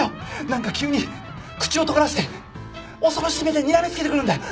何か急に口をとがらして恐ろしい目でにらみ付けてくるんだよ。